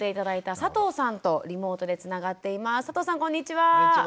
佐藤さんこんにちは。